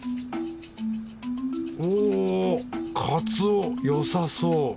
おぉカツオよさそう！